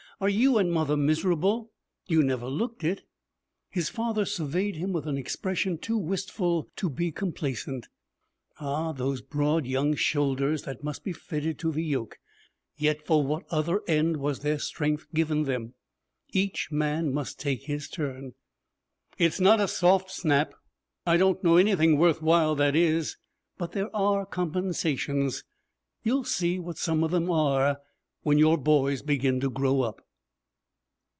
Are you and mother miserable? You never looked it!' His father surveyed him with an expression too wistful to be complacent. Ah, those broad young shoulders that must be fitted to the yoke! Yet for what other end was their strength given them? Each man must take his turn. 'It's not a soft snap. I don't know anything worth while that is. But there are compensations. You'll see what some of them are when your boys begin to grow up.'